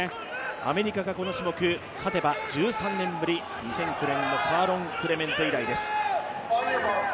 アメリカがこの種目勝てば、１３年ぶり２００９年のクレメント以来です。